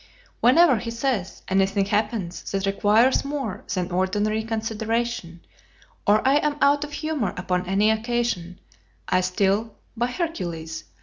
"Whenever," he says, "anything happens that requires more than ordinary consideration, or I am out of humour upon any occasion, I still, by Hercules!